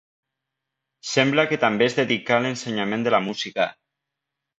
Sembla que també es dedicà a l'ensenyament de la música.